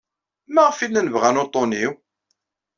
Maɣef ay llan bɣan uḍḍun-inu?